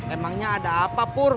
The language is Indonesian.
emangnya ada apa pur